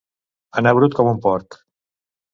Anar brut com un porc.